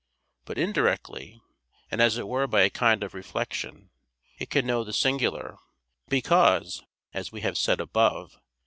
But indirectly, and as it were by a kind of reflection, it can know the singular, because, as we have said above (Q.